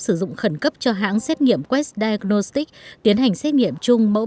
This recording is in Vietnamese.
sử dụng khẩn cấp cho hãng xét nghiệm quest diagnostics tiến hành xét nghiệm chung mẫu bệnh phẩm